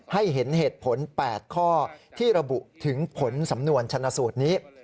ให้เห็นเหตุผล๘ข้อที่ระบุถึงผลสำนวนชนะสูตรนี้